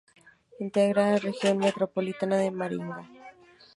Integra a Región Metropolitana de Maringá.